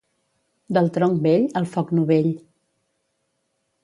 Del tronc vell, el foc novell.